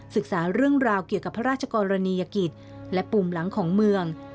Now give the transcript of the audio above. ศึกษาเรื่องราวเกี่ยวกับพระราชกรณียกิจและปุ่มหลังของเมือง